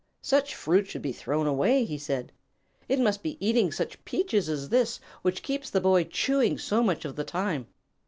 "Such fruit should be thrown away," he said. "It must be eating such peaches as this which keeps the Boy chewing so much of the time.